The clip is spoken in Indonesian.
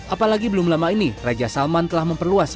apalagi belum lama ini raja salman telah memperluas